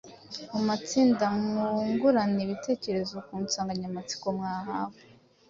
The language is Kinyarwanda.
Mu matsinda mwungurane ibitekerezo ku nsanganyamatsiko mwahawe,